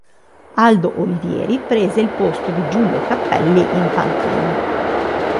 Aldo Olivieri prese il posto di Giulio Cappelli in panchina.